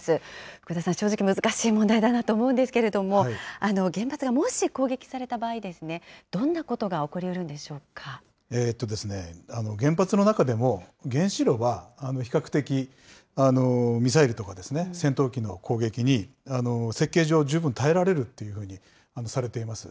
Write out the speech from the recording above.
福田さん、正直、難しい問題だなと思うんですけれども、原発がもし攻撃された場合、どんなことが原発の中でも、原子炉は比較的ミサイルとか戦闘機の攻撃に設計上、十分耐えられるというふうにされています。